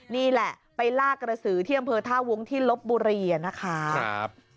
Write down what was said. นี่แหละไปลากกระสือที่อำเภอท่าวุ้งที่ลบบุรีนะคะ